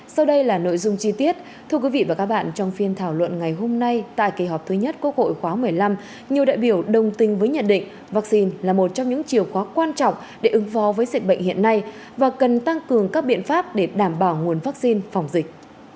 sau đây là nội dung chi tiết thưa quý vị và các bạn trong phiên thảo luận ngày hôm nay tại kỳ họp thứ nhất quốc hội khóa một mươi năm nhiều đại biểu đồng tình với nhận định vaccine là một trong những chiều khóa quan trọng để ứng phó với dịch bệnh hiện nay và cần tăng cường các biện pháp để đảm bảo nguồn vaccine phòng dịch